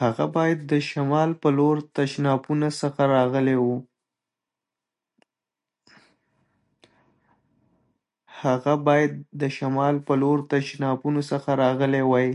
هغه باید د شمال په لور تشنابونو څخه راغلی وای.